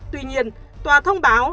tuy nhiên tòa thông báo